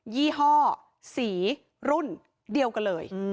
ี่ห้อสีรุ่นเดียวกันเลย